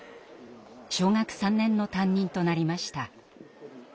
小学３年の担任となりました。